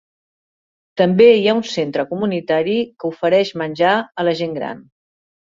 També hi ha un centre comunitari que ofereix menjar a la gent gran.